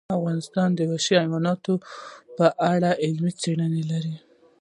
افغانستان د وحشي حیواناتو په اړه علمي څېړنې لري.